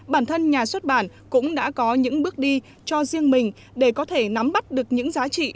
bản thân nhà xuất bản cũng đã có những bước đi cho riêng mình để có thể nắm bắt được những giá trị